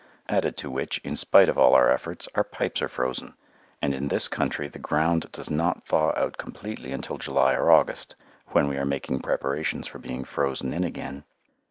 Added to which, in spite of all our efforts, our pipes are frozen, and in this country the ground does not thaw out completely until July or August, when we are making preparations for being frozen in again.